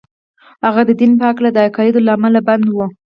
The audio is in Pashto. هغه د دين په هکله د عقايدو له امله بندي و.